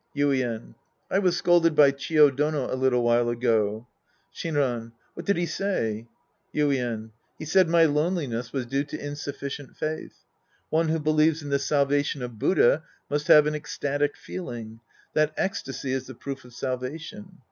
Yuien. I was scolded by Chio Dono a little while ago. Shinran. What did he say ? Yuien. He said my loneliness was due to insuffi cient faith. One who believes in the salvation of Buddha must havd an ecstatic feeling. That ecstasy is the proof of salvation.